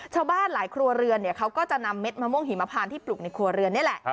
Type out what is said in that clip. ชาวบ้านหลายครัวเรือนเขาก็จะนำเม็ดมะม่วงหิมพานที่ปลูกในครัวเรือนนี่แหละ